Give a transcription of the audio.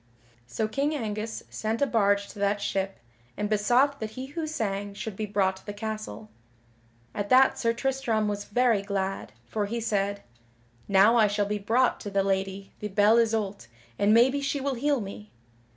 So King Angus sent a barge to that ship, and besought that he who sang should be brought to the castle. At that Sir Tristram was very glad, for he said: "Now I shall be brought to the Lady the Belle Isoult and maybe she will heal me."